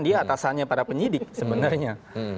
dia atasannya para penyidik sebenarnya